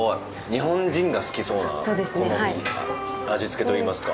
日本人が好きそうな、好み、味つけといいますか。